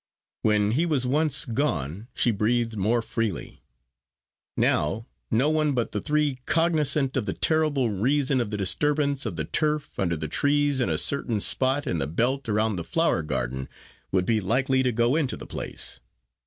When he was once gone she breathed more freely. Now, no one but the three cognisant of the terrible reason of the disturbance of the turf under the trees in a certain spot in the belt round the flower garden, would be likely to go into the place.